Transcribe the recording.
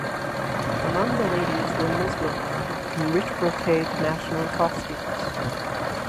Among the ladies were Muslim women in rich brocade national costumes.